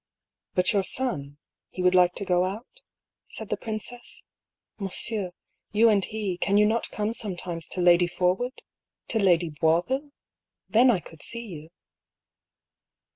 " But, your son, he would like to go out ?" said the princess. "Monsieur, you and he, can you not come sometimes to Lady Forwood — to Lady Boisville ? Then I could see you."